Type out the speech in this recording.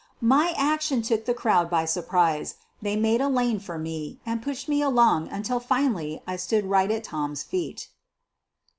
f ' My action took the crowd by surprise — they made a lane for me and pushed me along until finally I stood right at Tom's feet.